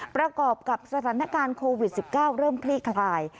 ประกอบกับสถานการณ์โควิด๑๙เริ่มคลี่คลาย